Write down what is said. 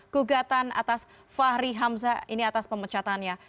gugatan atas fahri hamzah ini atas pemecatannya